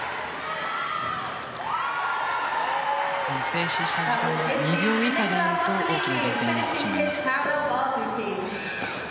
静止した時間が２秒以下であると大きな減点になってしまいます。